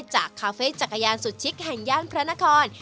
คาเฟ่จักรยานสุดชิคแห่งย่านพระนคร